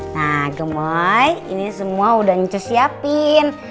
nah gemoy ini semua udah nyucus siapin